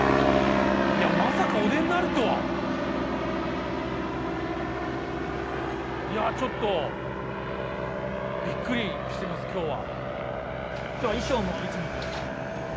いやまさかお出になるとは。いやちょっとびっくりしてます今日は。